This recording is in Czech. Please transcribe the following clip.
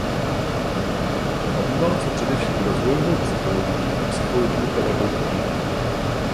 Zabývala se především rozvojovou psychologií a psychologií pedagogiky.